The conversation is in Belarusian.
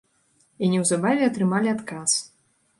І неўзабаве атрымалі адказ.